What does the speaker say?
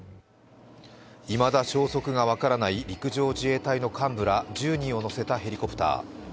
いまだ消息が分からない陸上自衛隊の幹部ら１０人を乗せたヘリコプター。